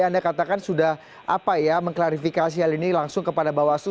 saya katakan sudah apa ya mengklarifikasi hal ini langsung kepada bawaslu